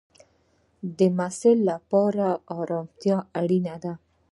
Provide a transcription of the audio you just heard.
د محصل لپاره ارامتیا اړینه ده.